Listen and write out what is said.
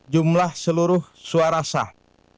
jumlah seluruh suara sah